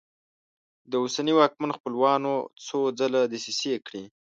د اوسني واکمن خپلوانو څو ځله دسیسې کړي.